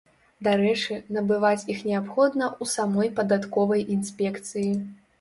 Дарэчы, набываць іх неабходна ў самой падатковай інспекцыі.